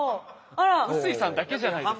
臼井さんだけじゃないですか。